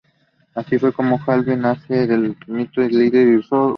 Así fue como el Jefe Seneca le permitió irse y volver.